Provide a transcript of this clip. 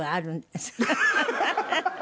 ハハハハ。